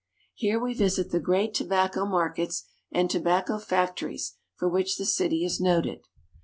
Here we visit the great to bacco markets and tobacco factories for which the city is noted.